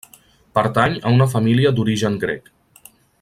Pertany a una família d'origen grec.